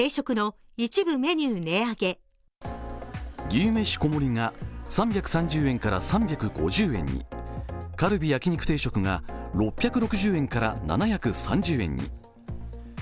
牛めし小盛が３３０円から３５０円にカルビ焼肉定食が６６０円から７３０円に。